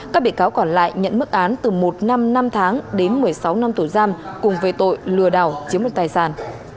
các bị cáo còn lại nhận mức án từ một năm năm tháng đến một mươi sáu năm tù giam cùng về tội lừa đảo chiếm đoạt tài sản